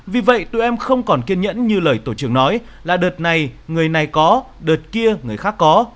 vì vậy tụi em không còn kiên nhẫn như lời tổ trưởng nói là đợt này người này có đợt kia người khác có